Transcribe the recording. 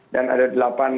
dan ada delapan kapasitas